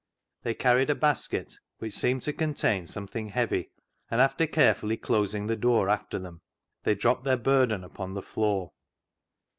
They carried a basket which seemed to contain something heavy, and after carefully closing the door after them, they dropped their burden upon the floor.